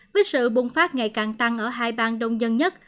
với sự bùng phát ngày càng tăng ở hai bang đông dân nhất